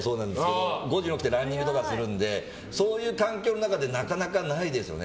５時に起きてランニングとかするので、そういう環境の中でなかなかないですよね。